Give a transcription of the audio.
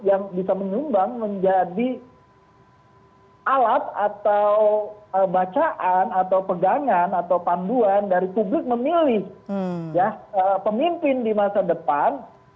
yang bisa menyumbang menjadi alat atau bacaan atau pegangan atau panduan dari publik memilih pemimpin di masa depan